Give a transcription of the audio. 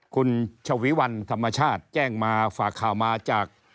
คุณชวีวันธรรมชาติแจ้งมาฝากข่าวมาจาก